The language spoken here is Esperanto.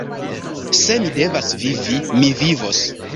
Se mi devas vivi, mi vivos!